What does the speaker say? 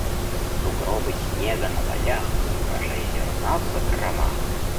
Сугробы снега на полях - урожай зерна в закромах.